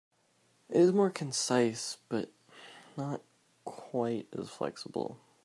It is more concise but not quite as flexible.